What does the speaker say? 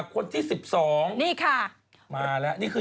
ค่ะ